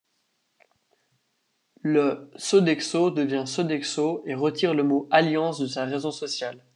Le , Sodexho devient Sodexo et retire le mot Alliance de sa raison sociale.